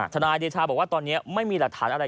นายเดชาบอกว่าตอนนี้ไม่มีหลักฐานอะไร